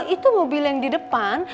itu mobil yang di depan